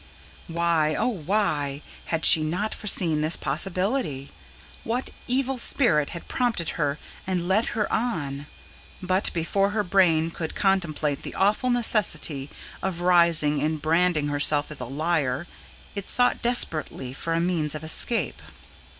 Why, oh why, had she not foreseen this possibility? What evil spirit had prompted her and led her on? But, before her brain could contemplate the awful necessity of rising and branding herself as a liar, it sought desperately for a means of escape.